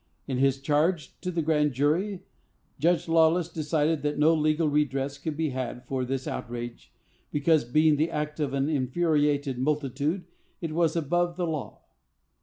In his charge to the grand jury, Judge Lawless decided that no legal redress could be had for this outrage, because, being the act of an infuriated multitude, it was above the law.